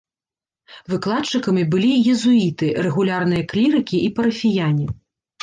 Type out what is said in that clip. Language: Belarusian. Выкладчыкамі былі езуіты, рэгулярныя клірыкі і парафіяне.